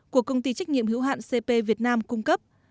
của công ty trách nhiệm hữu hạn cp việt nam cung cấp